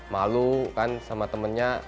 malu kan sama temannya